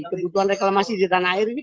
kebutuhan reklamasi di tanah air ini